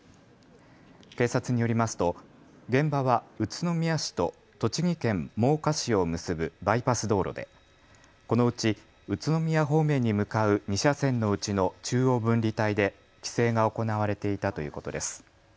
警察によりますと現場は宇都宮市と栃木県真岡市を結ぶバイパス道路でこのうち、宇都宮方面に向かう２車線のうちの中央分離帯で規制が行われていたということです。